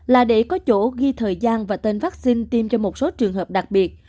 là để có chỗ ghi thời gian và tên vaccine tiêm cho một số trường hợp đặc biệt